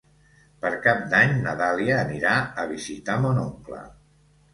Per Cap d'Any na Dàlia anirà a visitar mon oncle.